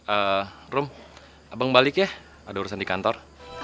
eh rum abang balik ya ada urusan di kantor